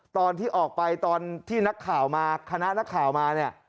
ตอนที่ออกไปตอนที่นักข่าวมาคณะนักข่าวมาเนี่ย